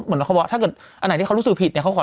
เหมือนเขาบอกถ้าเกิดอันไหนที่เขารู้สึกผิดเนี่ยเขาขอ